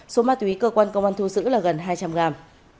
số ma túy cơ quan công an thu giữ là gần hai trăm linh gram